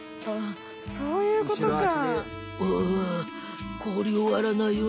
そういうことか。